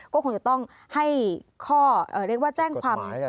ก็คงจะต้องให้ข้อเรียกว่าแจ้งความ